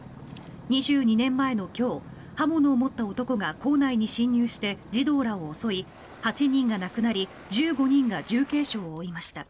２２年前の今日刃物を持った男が校内に侵入して児童らを襲い８人が亡くなり１５人が重軽傷を負いました。